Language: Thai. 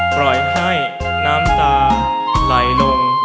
ปล่อยให้น้ำตาไหลลง